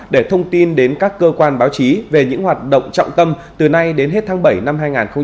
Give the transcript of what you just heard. để thông tin đến các cơ quan báo chí về những hoạt động trọng tâm từ nay đến hết tháng bảy năm hai nghìn hai mươi